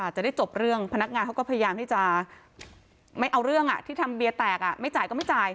จะได้จบเรื่องพนักงานเขาก็พยายามที่จะไม่เอาเรื่องที่ทำเบียร์แตกไม่จ่ายก็ไม่จ่าย